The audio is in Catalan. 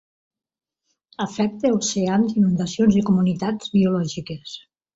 Afecta oceans, inundacions i comunitats biològiques.